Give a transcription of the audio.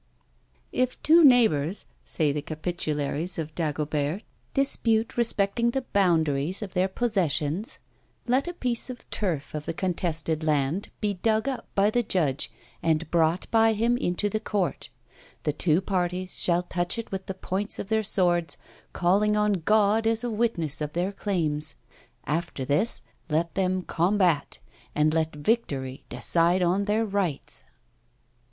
"If two neighbours," say the capitularies of Dagobert, "dispute respecting the boundaries of their possessions, let a piece of turf of the contested land be dug up by the judge, and brought by him into the court; the two parties shall touch it with the points of their swords, calling on God as a witness of their claims; after this let them combat, and let victory decide on their rights!"